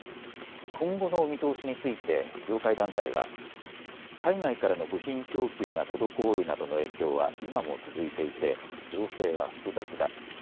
今後の見通しについて業界団体は海外からの部品供給が滞るなどの影響は今も続いていて情勢は複雑だ。